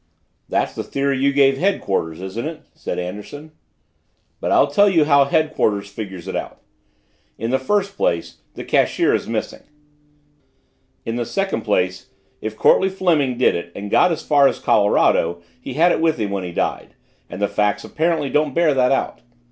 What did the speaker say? "That's the theory you gave headquarters, isn't it?" said Anderson. "But I'll tell you how headquarters figures it out. In the first place, the cashier is missing. In the second place, if Courtleigh Fleming did it and got as far as Colorado, he had it with him when he died, and the facts apparently don't bear that out.